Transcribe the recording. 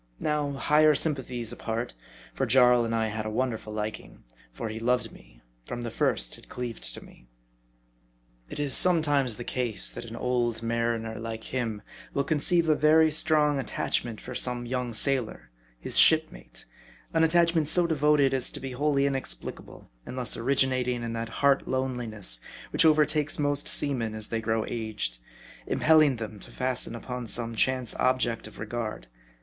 Now, higher sympathies apart, for 'Jarl I had a wonderful liking ; for he loved me ; from the first had cleaved to me. It is sometimes the case, that an old mariner like him will conceive a very strong attachment for some young sailor, his shipmate ; an attachment so devoted, as to be wholly inexplicable, unless originating in that heart loneli ness which overtakes most seamen as they grow aged ; impelling them to fasten upon some chance object of regard.